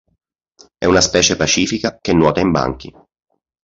È una specie pacifica che nuota in banchi.